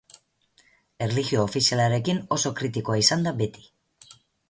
Erlijio ofizialarekin oso kritikoa izan da beti.